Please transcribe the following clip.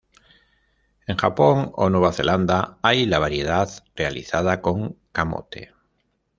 En Japón o Nueva Zelanda hay la variedad realizada con camote.